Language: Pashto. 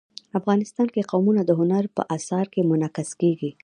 افغانستان کې قومونه د هنر په اثار کې منعکس کېږي.